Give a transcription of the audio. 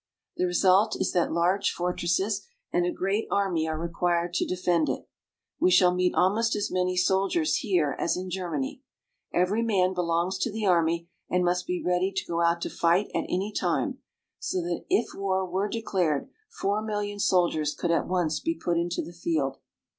The result is that large fortresses and a great army are required to defend it. We shall meet almost as many soldiers here as in Germany. Every man belongs to the army, and must be ready to go out to fight at any time, so that if war were declared four million soldiers could at once be put into the field.